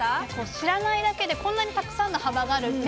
知らないだけでこんなにたくさんの幅があるね